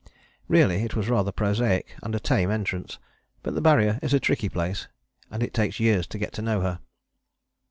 Really it was rather prosaic and a tame entrance. But the Barrier is a tricky place, and it takes years to get to know her.